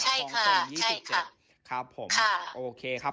ใช่ค่ะใช่ค่ะค่ะโอเคครับ